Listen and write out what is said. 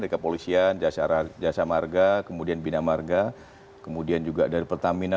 dari kepolisian jasa marga kemudian bina marga kemudian juga dari pertamina